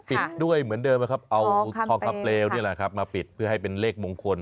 ปิดด้วยเหมือนเดิมนะครับเอาทองคำเปลวนี่แหละครับมาปิดเพื่อให้เป็นเลขมงคล